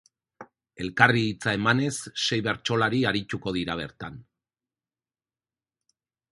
Elkarri hitza emanez sei bertsolari arituko dira bertan.